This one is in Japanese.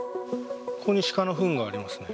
ここにシカのふんがありますね。